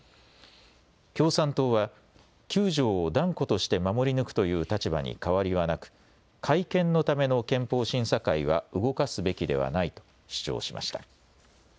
共産党は９条を断固として守り抜くという立場に変わりはなく改憲のための憲法審査会は動かすべきではないと主張しました。